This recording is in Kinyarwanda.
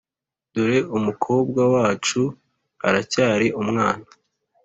dore umukobwa wacu aracyari umwana